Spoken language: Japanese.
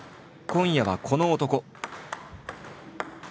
今夜はこの男。